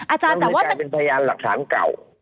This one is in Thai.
อาจารย์แต่ว่ามันก็จะเป็นพยานหลักศาลเก่า